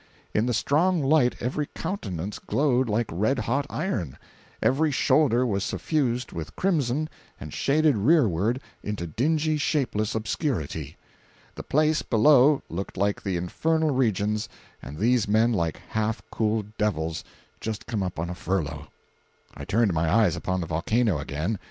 In the strong light every countenance glowed like red hot iron, every shoulder was suffused with crimson and shaded rearward into dingy, shapeless obscurity! The place below looked like the infernal regions and these men like half cooled devils just come up on a furlough. I turned my eyes upon the volcano again.